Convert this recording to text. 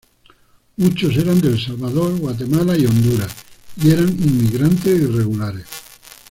Muchos eran de El Salvador, Guatemala y Honduras, y eran inmigrantes irregulares.